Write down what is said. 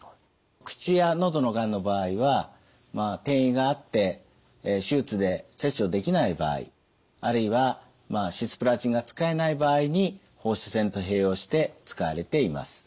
口や喉のがんの場合は転移があって手術で切除できない場合あるいはシスプラチンが使えない場合に放射線と併用して使われています。